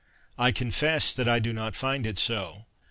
I confess that I do not find it so.